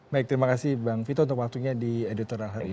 baik terima kasih bang vito untuk waktunya di editorial hari ini